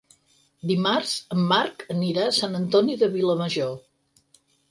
Dimarts en Marc anirà a Sant Antoni de Vilamajor.